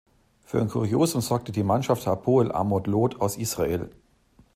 Für ein Kuriosum sorgte die Mannschaft Hapoel Amos Lod aus Israel.